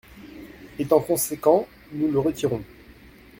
Étant conséquents, nous le retirons.